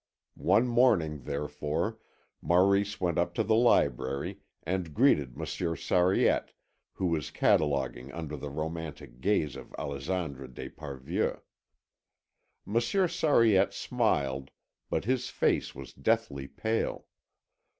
One morning, therefore, Maurice went up to the library and greeted Monsieur Sariette, who was cataloguing under the romantic gaze of Alexandre d'Esparvieu. Monsieur Sariette smiled, but his face was deathly pale.